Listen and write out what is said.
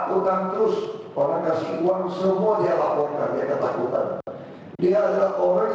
pada tarikh lain kemarin sudah berita beberapa saksi